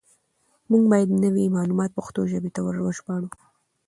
موږ بايد نوي معلومات پښتو ژبې ته وژباړو.